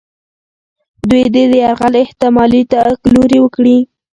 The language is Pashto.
دوی دې د یرغل احتمالي تګ لوري وښیي.